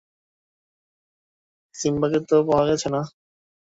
সিম্বাকে তো পাওয়া গেছে, না?